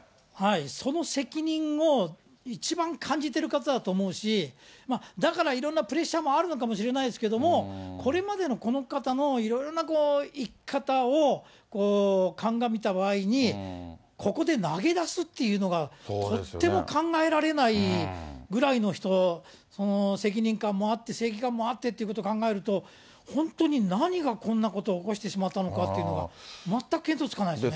その責任を一番感じてる方だと思うし、だからいろんなプレッシャーもあるのかもしれないですけど、これまでのこの方のいろいろな生き方をかんがみた場合に、ここでなげだすっていうのが、とっても考えられないぐらいの人、責任感もあって、正義感もあってっていうことを考えると、本当に何がこんなことを起こしてしまったのかっていうのが、全く見当つかないですね。